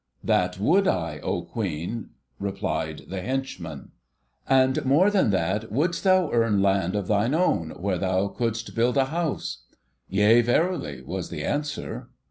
'That would I, O Queen,' replied the henchman. 'And more than that, wouldst thou earn land of thine own, where thou couldst build a house?' 'Yea, verily!' was the answer.